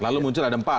lalu muncul ada empat